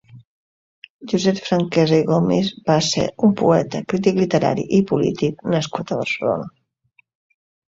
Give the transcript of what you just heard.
Josep Franquesa i Gomis va ser un poeta, crític literari i polític nascut a Barcelona.